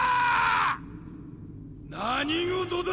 ・何事だ！